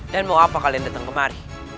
dan mau apa kalian datang kemari